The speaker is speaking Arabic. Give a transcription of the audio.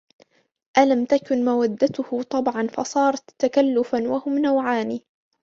أَلَمْ تَكُنْ مَوَدَّتُهُ طَبْعًا فَصَارَتْ تَكَلُّفَا وَهُمْ نَوْعَانِ